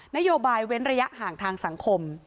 นโยบายเว้นระยะห่างทางสังคม